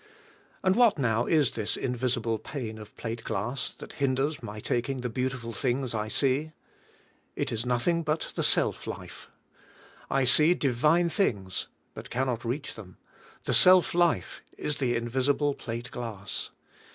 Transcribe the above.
And what now is this invisible pane of plate glass, that hinders my taking the beautiful things I see? It is nothing but the self life; I see divine things but cannot reach them, the self life is the invisible plate glass.